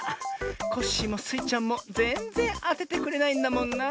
コッシーもスイちゃんもぜんぜんあててくれないんだもんな。